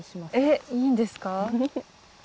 えっいいんですか？